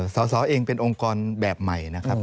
สสเองเป็นองค์กรแบบใหม่นะครับ